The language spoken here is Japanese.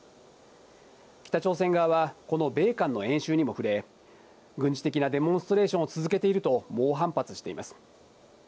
北朝鮮側はこの米韓の演習にも触れ、軍事的なデモンストレーションを続けていると、猛反発しています。